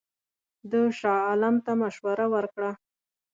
ده شاه عالم ته مشوره ورکړه.